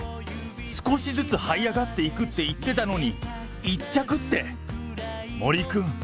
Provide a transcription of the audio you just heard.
少しずつはい上がっていくって言ってたのに、１着って。